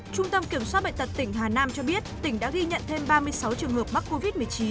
trung tâm kiểm soát bệnh tật tỉnh hà nam cho biết tỉnh đã ghi nhận thêm ba mươi sáu trường hợp mắc covid một mươi chín